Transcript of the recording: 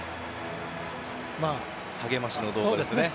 励ましの動画ですね。